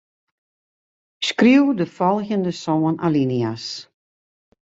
Skriuw de folgjende sân alinea's.